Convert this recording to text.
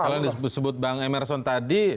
kalau yang disebut bang emerson tadi